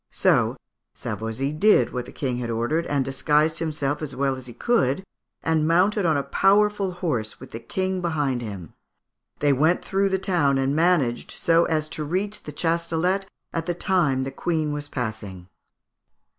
So Savoisy did what the King had ordered, and disguised himself as well as he could, and mounted on a powerful horse with the King behind him. They went through the town, and managed so as to reach the Chastelet at the time the Queen was passing.